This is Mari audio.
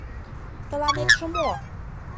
— Тыланетше мо!